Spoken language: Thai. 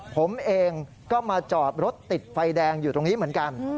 ผมเองก็มาจอดรถติดไฟแดงอยู่ตรงนี้เหมือนกัน